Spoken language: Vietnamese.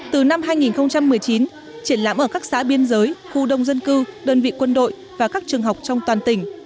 từ năm hai nghìn một mươi chín triển lãm ở các xã biên giới khu đông dân cư đơn vị quân đội và các trường học trong toàn tỉnh